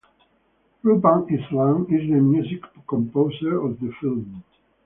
Rupam Islam is the music composer of the film.